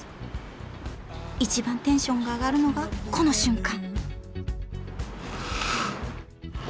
一番テンションが上がるのがこの瞬間！